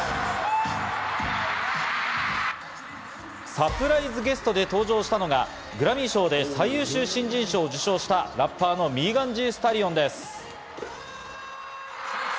サプライズゲストで登場したのがグラミー賞で最優秀新人賞を受賞したラッパーのミーガン・ジー・スタリオンです。